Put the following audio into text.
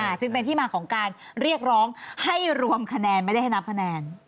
จึงเป็นที่มาของการเรียกร้องให้รวมคะแนนไม่ได้ให้นับคะแนน